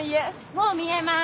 もう見えます。